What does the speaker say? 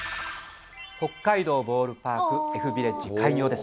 北海道ボールパークＦビレッジ開業です。